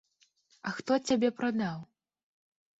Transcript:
А хто цябе прадаў?